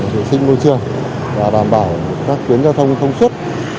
vệ sinh môi trường và đảm bảo các tuyến giao thông thông suốt